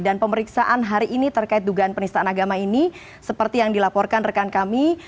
dan pemeriksaan hari ini terkait dugaan penistaan agama ini seperti yang dilaporkan rekan kami